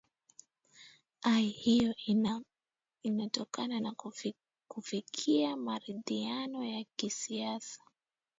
i hiyo inatokana na kufikia maridhiano ya kisiasa